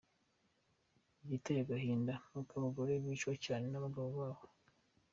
Igiteye agahinda, nuko abagore bicwa cyane n’abagabo babo.